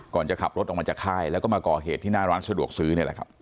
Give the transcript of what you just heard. ก่อนจะขับรถออกมาจากค่ายแล้วก็มาก่อเหตุที่หน้าร้านสะดวกซื้อ